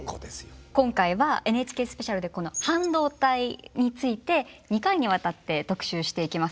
今回は「ＮＨＫスペシャル」でこの半導体について２回にわたって特集していきます。